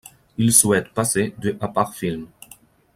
Il souhaite passer de à par film.